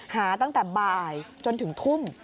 หาตั้งแต่บ่ายจนถึงทุ่ม